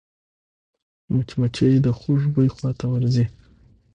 مچمچۍ د خوږ بوی خواته ورځي